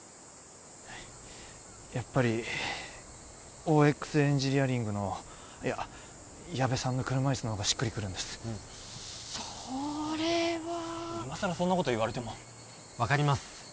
はいやっぱりＯＸエンジニアリングのいや矢部さんの車いすの方がしっくりくるんですうんそれは今更そんなこと言われても分かります